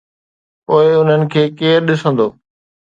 پوءِ انهن کي ڪير ڏسندو؟